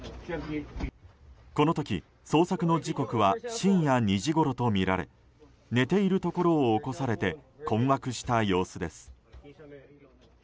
この時、捜索の時刻は深夜２時ごろとみられ寝ているところを起こされて困惑した様子です。